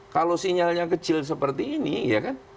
kalau sinyalnya kecil seperti ini ya kan